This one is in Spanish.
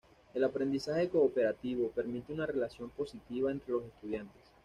El aprendizaje cooperativo, permite una relación positiva entre los estudiantes.